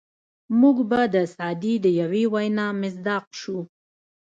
موږ به د سعدي د یوې وینا مصداق شو.